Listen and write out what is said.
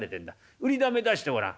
売りだめ出してごらん。